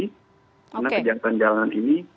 karena kejahatan jalanan ini